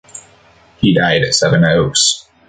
He died at Sevenoaks.